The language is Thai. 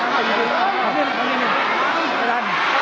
สวัสดีครับ